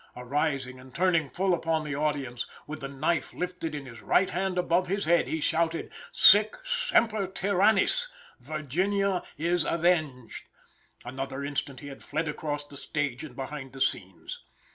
Arising and turning full upon the audience, with the knife lifted in his right hand above his head, he shouted "Sic, semper tyrannis Virginia is avenged!" Another instant he had fled across the stage and behind the scenes.